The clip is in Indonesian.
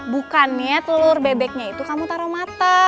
bukannya telur bebeknya itu kamu taruh mata